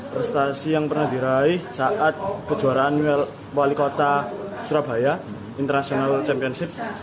prestasi yang pernah diraih saat kejuaraan wali kota surabaya international championship